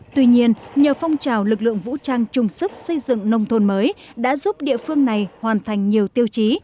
tuy nhiên nhờ phong trào lực lượng vũ trang chung sức xây dựng nông thôn mới đã giúp địa phương này hoàn thành nhiều tiêu chí